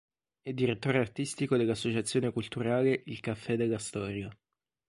È direttore artistico dell'associazione culturale Il Caffè Della Storia.